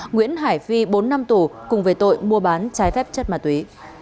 nguyễn hải phi bốn năm tù cùng về tội mua bán trái phép chất ma túy